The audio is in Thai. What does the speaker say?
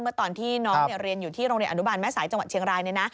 เมื่อตอนที่น้องเรียนอยู่ที่โรงเรียนอนุบาลแม่สายจังหวัดเชียงรายเนี่ยนะ